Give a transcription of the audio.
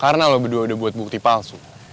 karena lo berdua udah buat bukti palsu